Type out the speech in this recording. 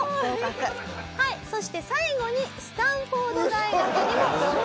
はいそして最後にスタンフォード大学にも合格。